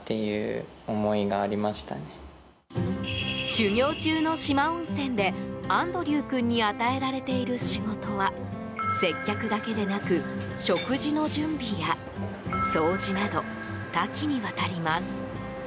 修業中の四万温泉でアンドリュウ君に与えられている仕事は接客だけでなく食事の準備や掃除など多岐にわたります。